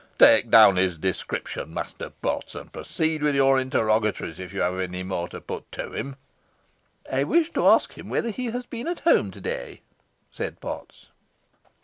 Take down his description, Master Potts, and proceed with your interrogatories if you have any more to put to him." "I wish to ask him whether he has been at home to day," said Potts.